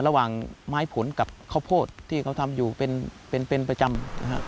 ระหว่างไม้ผลกับข้าวโพดที่เขาทำอยู่เป็นประจำ